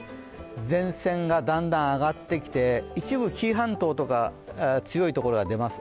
前線がだんだん上がってきて一部、紀伊半島とか強いところが出ます。